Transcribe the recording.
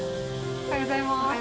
おはようございます。